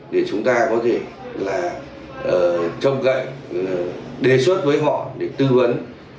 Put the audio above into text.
để chúng ta có thể trong cạnh đề xuất với họ để tư vấn